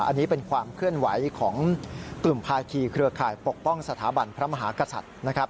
อันนี้เป็นความเคลื่อนไหวของกลุ่มภาคีเครือข่ายปกป้องสถาบันพระมหากษัตริย์นะครับ